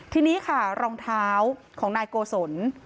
ทีนี้ค่ะรองเท้าของนายโกศล